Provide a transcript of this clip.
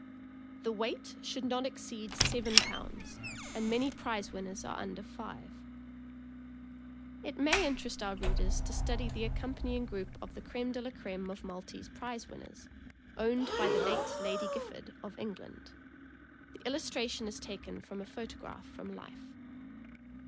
The weight should not exceed seven pounds, and many prize winners are under five. It may interest our readers to study the accompanying group of the creme de la creme of Maltese prize winners, owned by the late Lady Gifford, of England. The illustra tion is taken from a photograph from life.